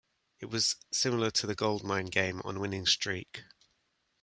It was similar to the Goldmine game on Winning Streak.